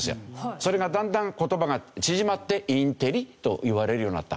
それがだんだん言葉が縮まって「インテリ」と言われるようになった。